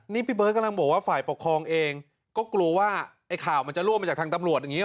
นี่พี่เบิร์ตกำลังบอกว่าฝ่ายปกครองเองก็กลัวว่าไอ้ข่าวมันจะรั่วมาจากทางตำรวจอย่างนี้